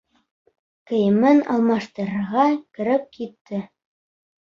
Кейемен алмаштырырға кереп китте.